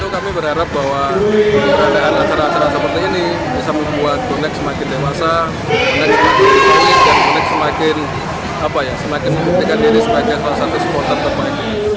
kami berharap bahwa acara acara seperti ini bisa membuat bonek semakin dewasa bonek semakin kini dan bonek semakin menikah diri sebagai salah satu supporter terbaik